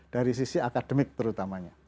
dari sisi akademik terutamanya